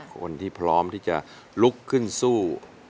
คนที่พร้อมที่จะลุกขึ้นสู้